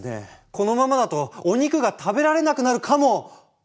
このままだとお肉が食べられなくなるかも！